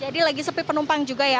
jadi lagi sepi penumpang juga ya